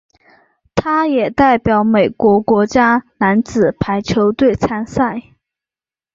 他也代表美国国家男子排球队参赛。